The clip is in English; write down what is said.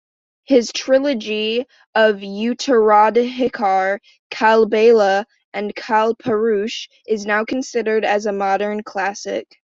His trilogy of "Uttoradhikar", "Kalbela" and "Kalpurush" is now considered as a modern classic.